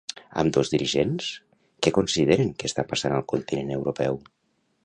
Ambdós dirigents, què consideren que està passant al continent europeu?